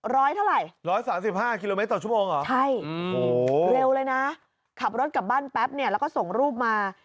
ร้อยเท่าไหร่ใช่เร็วเลยนะขับรถกลับบ้านแป๊บแล้วก็ส่งรูปมา